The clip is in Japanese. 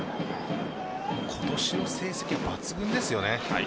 今年の成績抜群ですよね。